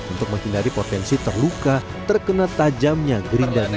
untuk menghindari potensi terluka terkena tajamnya gerindalnya